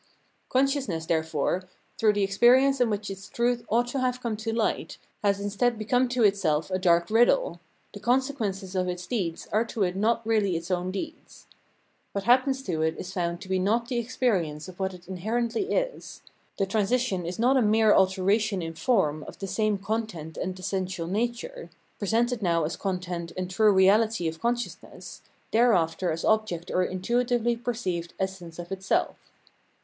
Consciousness, there fore, through the experience in which its truth ought to have come to light, has instead become to itself a dark riddle ; the consequences of its deeds are to it not really its own deeds. What happens to it is found to be not the experience of what it inherently is ; the transition is not a mere alteration in form of the same content and essential nature, presented now as content and true reality of consciousness, thereafter as object or intuitively perceived essence of itself.